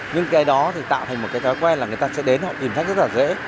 nhưng cái đó thì tạo thành một cái thói quen là người ta sẽ đến họ tìm cách rất là dễ